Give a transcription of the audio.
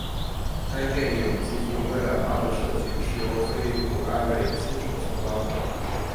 该电影极富未来化的设计是由菲利普埃维亲手操刀。